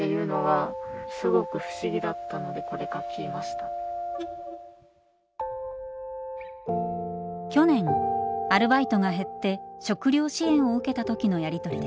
去年アルバイトが減って食糧支援を受けた時のやりとりです。